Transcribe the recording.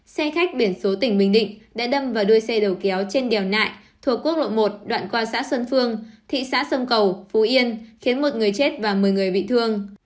xe khách biển số tỉnh bình định đã đâm vào đuôi xe đầu kéo trên đèo nại thuộc quốc lộ một đoạn qua xã sơn phương thị xã sông cầu phú yên khiến một người chết và một mươi người bị thương